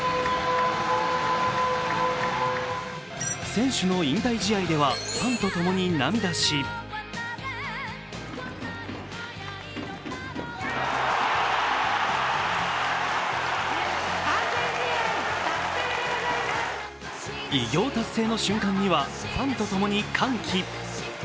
選手の引退試合ではファンとともに涙し偉業達成の瞬間にはファンと共に歓喜。